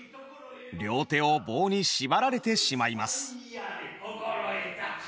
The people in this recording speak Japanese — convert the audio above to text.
両手を棒にしばられてしまいます。